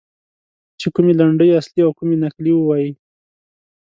چې کومې لنډۍ اصلي او کومې نقلي ووایي.